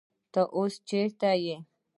تۀ اوس چېرته يې ؟